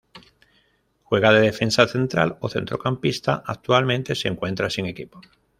Juega de defensa central o centrocampista, actualmente se encuentra sin equipo.